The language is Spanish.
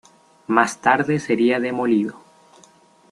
Más tarde sería demolido.